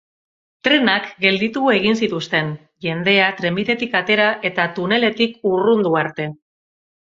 Trenak gelditu egin zituzten, jendea trenbidetik atera eta tuneletik urrundu arte.